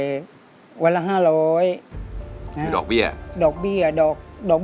สวัสดีครับ